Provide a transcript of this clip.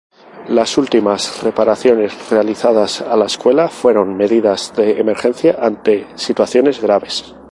Las últimas reparaciones realizadas a la escuelas fueron medidas de emergencia ante situaciones graves.